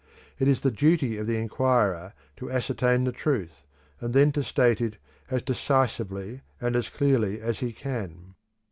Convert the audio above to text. It is the duty of the inquirer to ascertain the truth, and then to state it as decisively and as clearly as he can.